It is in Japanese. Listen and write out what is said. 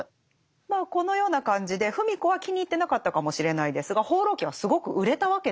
まあこのような感じで芙美子は気に入ってなかったかもしれないですが「放浪記」はすごく売れたわけですよ。